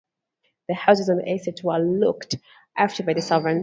The houses on the estate were looked after by servants.